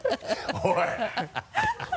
おい！